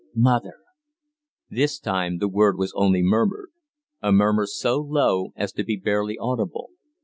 "Mother!" This time the word was only murmured, a murmur so low as to be barely audible.